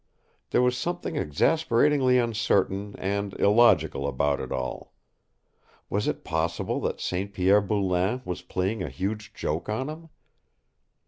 There was something exasperatingly uncertain and illogical about it all. Was it possible that St. Pierre Boulain was playing a huge joke on him?